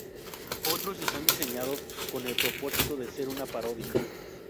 Otros están diseñados con el propósito de ser una parodia.